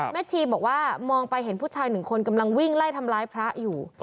ชีบอกว่ามองไปเห็นผู้ชายหนึ่งคนกำลังวิ่งไล่ทำร้ายพระอยู่